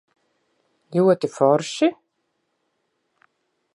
Ļoti forši?